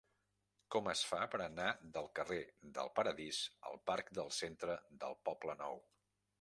Com es fa per anar del carrer del Paradís al parc del Centre del Poblenou?